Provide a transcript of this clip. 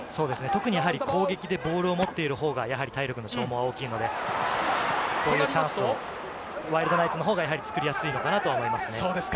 特に攻撃でボールを持っている方が体力の消耗が大きいので、こういうチャンスをワイルドナイツの方が作りやすいのかなと思いますね。